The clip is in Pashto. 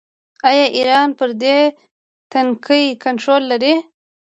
آیا ایران پر دې تنګي کنټرول نلري؟